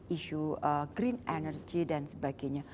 isu green energy dan sebagainya